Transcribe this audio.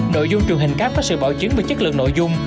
nội dung truyền hình khác có sự bảo chuyển về chất lượng nội dung